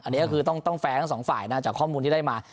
อันนี้ก็คือต้องแฟร์ทั้งสองฝ่ายนะจากข้อมูลที่ได้มา